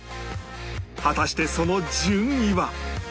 果たしてその順位は？